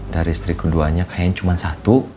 dari istri keduanya kayaknya cuma satu